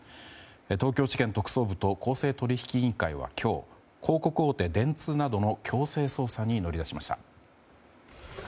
東京地検特捜部と公正取引委員会は今日広告大手・電通などの強制捜査に乗り出しました。